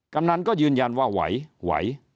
กำนันก็ยืนยันว่าไหวไหว